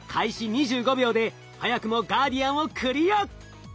２５秒で早くもガーディアンをクリア。